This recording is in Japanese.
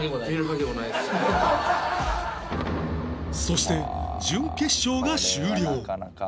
そして準決勝が終了